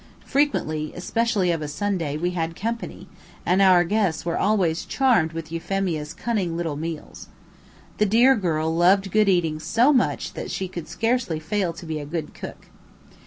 Frequently, especially of a Sunday, we had company, and our guests were always charmed with Euphemia's cunning little meals. The dear girl loved good eating so much that she could scarcely fail to be a good cook.